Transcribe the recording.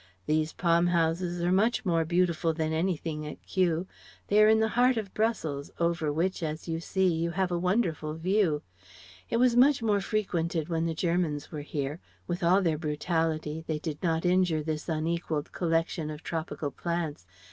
These palm houses are much more beautiful than anything at Kew; they are in the heart of Brussels, over which, as you see, you have a wonderful view. It was much more frequented when the Germans were here. With all their brutality they did not injure this unequalled collection of Tropical plants.